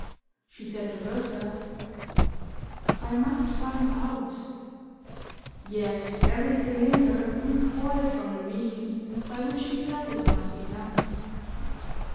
She said to herself: "I must find out " yet everything in her recoiled from the means by which she felt it must be done...